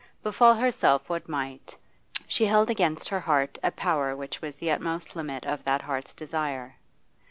Befall herself what might, she held against her heart a power which was the utmost limit of that heart's desire.